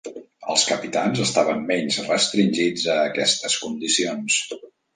Els capitans estaven menys restringits a aquestes condicions.